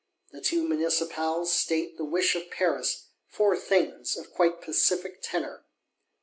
The two Municipals state the wish of Paris: four things, of quite pacific tenor.